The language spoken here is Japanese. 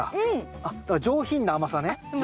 あっだから上品な甘さね。